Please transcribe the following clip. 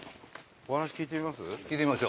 お話聞いてみます？